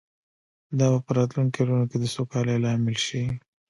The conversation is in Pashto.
دا به په راتلونکو کلونو کې د سوکالۍ لامل شي